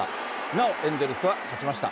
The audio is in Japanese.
なおエンゼルスは勝ちました。